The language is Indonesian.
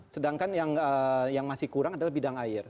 sedangkan yang masih kurang adalah bidang air